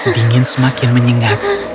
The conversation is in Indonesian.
dingin semakin menyingat